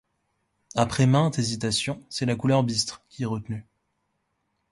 Après maintes hésitations, c’est la couleur bistre qui est retenue.